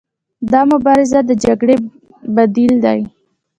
دا مبارزه د جګړې بدیل دی.